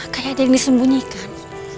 kayak ada yang disembunyikan